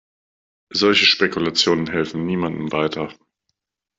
Solche Spekulationen helfen niemandem weiter.